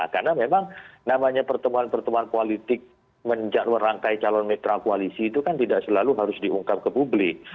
karena memang namanya pertemuan pertemuan politik menjadwal rangkai calon mitra koalisi itu kan tidak selalu harus diungkap ke publik